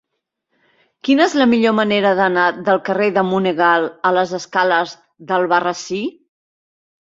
Quina és la millor manera d'anar del carrer de Monegal a les escales d'Albarrasí?